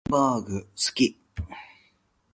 ハンバーグ好き